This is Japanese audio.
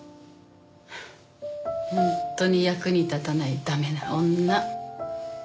本当に役に立たない駄目な女。